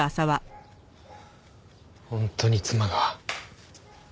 本当に妻が。